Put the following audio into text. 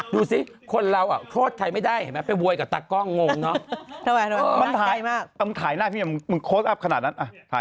อยู่สิของเราเอ้าโครสถ่ายไม่ได้ได้บวกก้าวน้องนะเหลือทายหน้าพี่มึงขนาดนั้นน่ะ